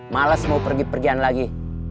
malas mau pergi pergian lagi